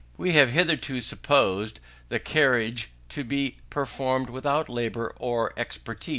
3. We have hitherto supposed the carriage to be performed without labour or expense.